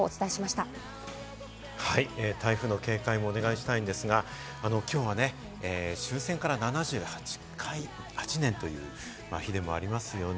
台風の警戒もお願いしたいんですが、きょうはね、終戦から７８年という日でもあります。